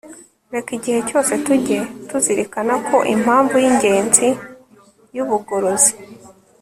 reka igihe cyose tujye tuzirikana ko impamvu y'ingenzi y'ubugorozi